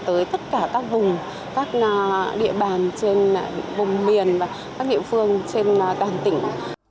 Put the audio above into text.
tới tất cả các vùng các địa bàn trên vùng miền và các địa phương trên toàn tỉnh